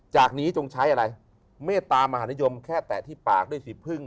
จากนี้จงใช้อะไรเมตตามหานิยมแค่แตะที่ปากด้วยสีพึ่ง